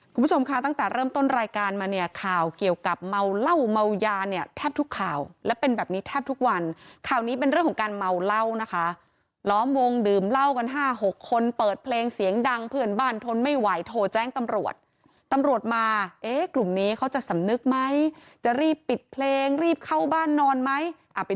คุณผู้ชมคะตั้งแต่เริ่มต้นรายการมาเนี่ยข่าวเกี่ยวกับเมาเหล้าเมายาเนี่ยแทบทุกข่าวและเป็นแบบนี้แทบทุกวันข่าวนี้เป็นเรื่องของการเมาเหล้านะคะล้อมวงดื่มเหล้ากันห้าหกคนเปิดเพลงเสียงดังเพื่อนบ้านทนไม่ไหวโทรแจ้งตำรวจตำรวจมาเอ๊ะกลุ่มนี้เขาจะสำนึกไหมจะรีบปิดเพลงรีบเข้าบ้านนอนไหมอ่ะไป